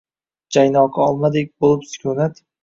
Jaynoqi olmadek bo’lib sukunat